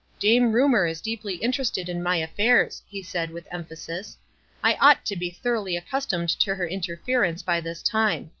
"Dame Rumor is deeply interested in my af fairs," he said, with emphasis. "I ought to be thoroughly accustomed to her interference by this time.